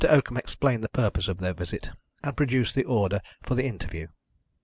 Oakham explained the purpose of their visit, and produced the order for the interview.